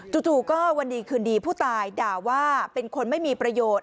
จู่ก็วันดีคืนดีผู้ตายด่าว่าเป็นคนไม่มีประโยชน์